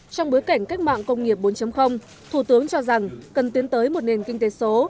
trong bối cảnh cách mạng công nghiệp bốn thủ tướng cho rằng cần tiến tới một nền kinh tế số